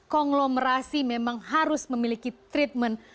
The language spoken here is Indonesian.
konglomerasi memang harus memiliki treatment